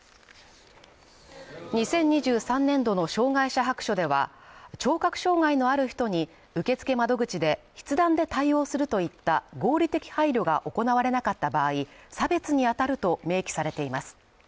２０２３年度の障害者白書では、聴覚障害のある人に受付窓口で筆談で対応するといった合理的配慮が行われなかった場合、差別に当たると明記されています